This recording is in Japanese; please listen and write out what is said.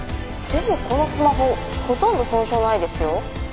でもこのスマホほとんど損傷ないですよ。